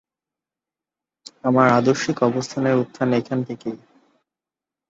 আমার আদর্শিক অবস্থানের উত্থান এখান থেকেই।